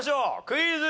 クイズ。